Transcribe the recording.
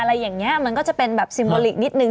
อะไรอย่างนี้มันก็จะเป็นแบบซิมโบลิกนิดนึ